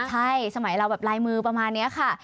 ใช่สมัยเราแบบลายมือประมาณนี้ค่ะ